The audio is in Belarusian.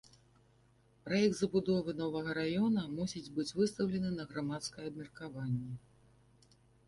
Праект забудовы новага раёна мусіць быць выстаўлены на грамадскае абмеркаванне.